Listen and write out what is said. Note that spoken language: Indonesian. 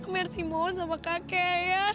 mersi mohon sama kakek ya